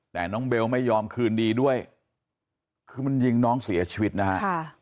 แต่น้องเบลไม่ยอมคืนดีด้วยคือมันยิงน้องเสียชีวิตนะฮะ